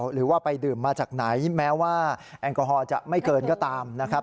หรือว่าไปดื่มมาจากไหนแม้ว่าแอลกอฮอลจะไม่เกินก็ตามนะครับ